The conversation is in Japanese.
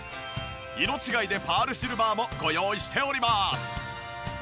色違いでパールシルバーもご用意しております。